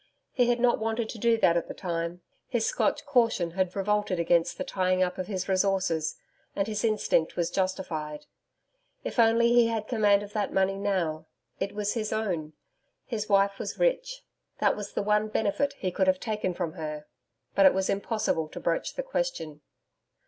He had not wanted to do that at the time; his Scotch caution had revolted against the tying up of his resources, and his instinct was justified. If only he had command of that money now! It was his own; his wife was rich; that was the one benefit he could have taken from her.... But it was impossible to broach the question.